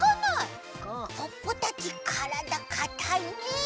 ポッポたちからだかたいね。